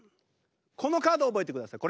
このカード覚えてください